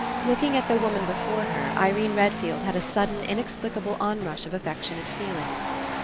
Looking at the woman before her, Irene Redfield had a sudden inexplicable onrush of affectionate feeling.